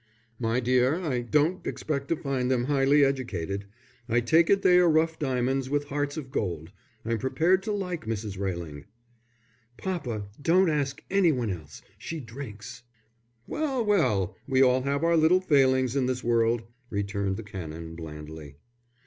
"My dear, I don't expect to find them highly educated. I take it they are rough diamonds with hearts of gold. I'm prepared to like Mrs. Railing." "Papa, don't ask any one else she drinks." "Well, well, we all have our little failings in this world," returned the Canon, blandly.